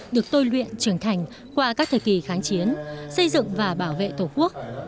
được tôi luyện trưởng thành qua các thời kỳ kháng chiến xây dựng và bảo vệ tổ quốc